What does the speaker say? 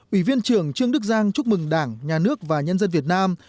ủy viên trưởng trương đức giang chúc mừng đảng nhà nước và nhân dân việt nam